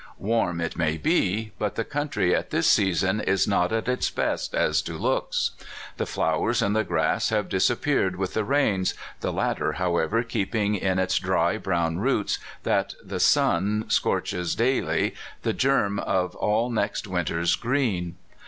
Warm it may be; but the country at this season is not at its best a? to looks. The flowers and the grass have disap peared with the rains, the latter, however, keeping in its dry, brown roots, that the sun scorches daily, the germ of all next winter's green.